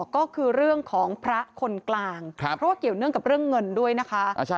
ก็คือเรื่องของพระคนกลางเพราะว่าเกี่ยวเนื่องกับเรื่องเงินด้วยนะคะ